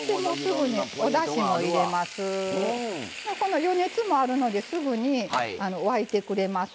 この余熱もあるのですぐに沸いてくれます。